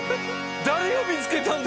誰が見つけたんだ？